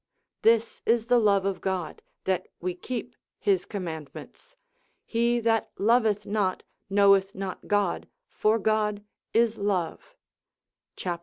This is the love of God, that we keep his commandments; he that loveth not, knoweth not God, for God is love, cap.